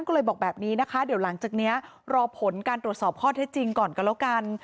ก็เลยบอกแบบนี้นะคะเดี๋ยวหลังจากนี้รอผลการตรวจสอบข้อเท็จจริงก่อนก็แล้วกัน